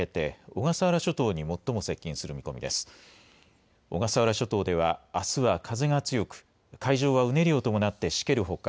小笠原諸島ではあすは風が強く海上はうねりを伴ってしけるほか